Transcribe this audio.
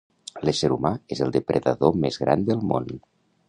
L'ésser humà és el depredador més gran del món.